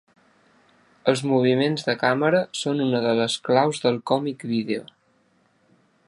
Els moviments de càmera són una de les claus del còmic vídeo.